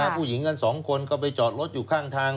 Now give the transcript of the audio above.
ผู้หญิงกัน๒คนก็ไปจอดรถอยู่ข้างทาง